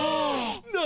何？